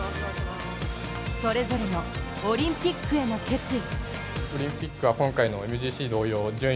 それぞれのオリンピックへの決意。